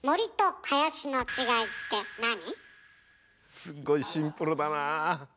すっごいシンプルだな。